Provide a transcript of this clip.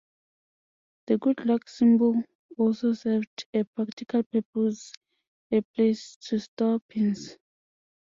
The good-luck symbol also served a practical purpose-a place to store pins.